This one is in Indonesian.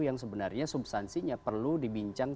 yang sebenarnya substansinya perlu dibincangkan